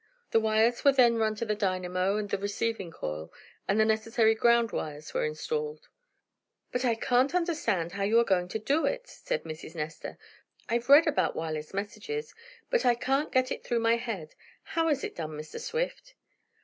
The wires were then run to the dynamo, and the receiving coil, and the necessary ground wires were installed. "But I can't understand how you are going to do it," said Mrs. Nestor. "I've read about wireless messages, but I can't get it through my head. How is it done, Mr. Swift?"